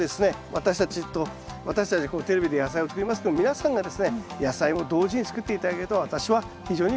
私たちと私たちはこうテレビで野菜を作りますけど皆さんがですね野菜を同時に作って頂けると私は非常にうれしいと思います。